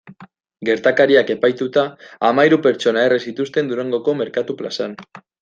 Gertakariak epaituta hamahiru pertsona erre zituzten Durangoko merkatu plazan.